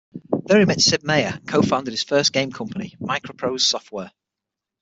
There he met Sid Meier and Co-Founded his first game company, MicroProse Software.